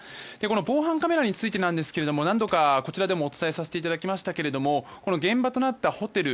防犯カメラについてですが何度かこちらでもお伝えさせていただきましたが現場となったホテル